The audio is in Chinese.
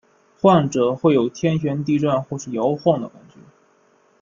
患者会有天旋地转或是摇晃的感觉。